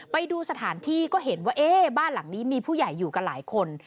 ไปดูสถานที่ก็เห็นว่าเอ๊ะบ้านหลังนี้มีผู้ใหญ่อยู่กับหลายคน